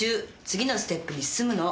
次のステップに進むの。